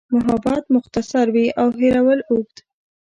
محبت مختصر وي او هېرول اوږد.